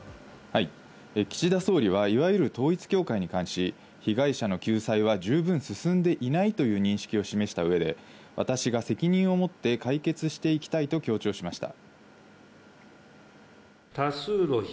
岸田総理はいわゆる統一教会に関し、被害者の救済は十分進んでいないという認識を示した上で、私が責任をもって解決していきたいと強調しました。